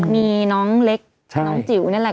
มีน้องเล็กน้องจิ๋วนี่แหละ